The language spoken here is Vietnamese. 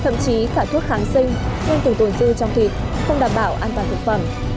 thậm chí cả thuốc kháng sinh nên từng tồn dư trong thịt không đảm bảo an toàn thực phẩm